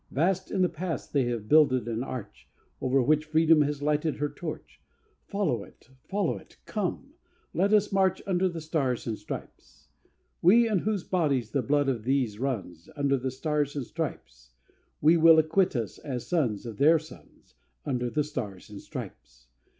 Vast in the past they have builded an arch, Over which Freedom has lighted her torch Follow it! follow it! come, let us march Under the Stars and Stripes! II We in whose bodies the blood of these runs, Under the Stars and Stripes, We will acquit us as sons of their sons, Under the Stars and Stripes.